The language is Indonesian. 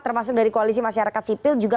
termasuk dari koalisi masyarakat sipil juga